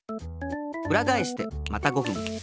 うらがえしてまた５ふん。